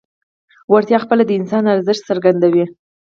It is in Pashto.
وړتیا خپله د انسان ارزښت څرګندوي.